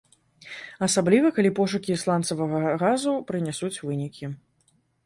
Асабліва, калі пошукі сланцавага газу прынясуць вынікі.